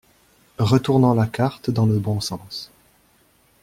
Retournant la carte dans le bons sens.